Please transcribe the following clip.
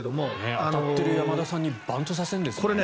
当たってる山田さんにバントさせるんですね。